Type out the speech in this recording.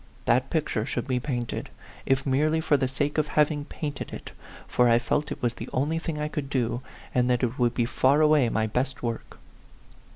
That picture should be painted, if merely for the sake of having painted it ; for I felt it was the only thing I could do, and that it would be far away my best work.